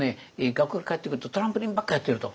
学校から帰ってくるとトランポリンばっかやってると。